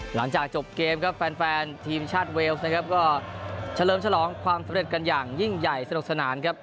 หลังจากจบเกมครับแฟนทีมชาติเวลส์นะครับก็เฉลิมฉลองความสำเร็จกันอย่างยิ่งใหญ่สนุกสนานครับ